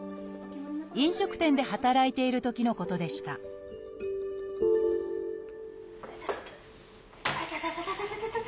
飲食店で働いているときのことでしたいたたた。